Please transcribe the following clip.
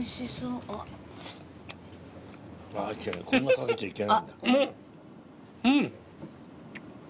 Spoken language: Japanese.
うん！